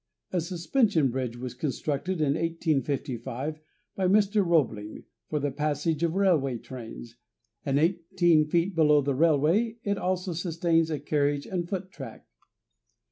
A suspension bridge was constructed in 1855 by Mr. Roebling, for the passage of railway trains, and eighteen feet below the railway it also sustains a carriage and foot track.